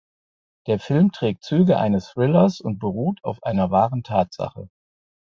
Der Film trägt Züge eines Thrillers und beruht auf einer wahren Tatsache.